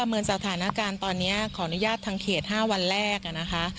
เหมือนสถานการณ์ตอนนี้ขออนุญาตทางเขต๕วันแรกนะคะ